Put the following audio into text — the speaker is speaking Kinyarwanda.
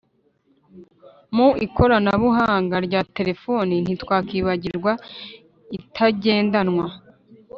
mu ikorana buhanga rya terefoni ntitwakwibagirwa itagendanwa,